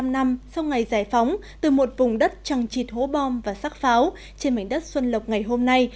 bảy mươi năm năm sau ngày giải phóng từ một vùng đất trằng trịt hố bom và sắc pháo trên mảnh đất xuân lộc ngày hôm nay